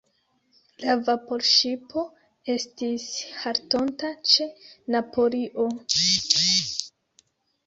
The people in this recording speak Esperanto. La vaporŝipo estis haltonta ĉe Napolio.